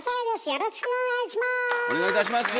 よろしくお願いします。